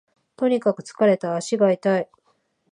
とにかく疲れた、足が痛い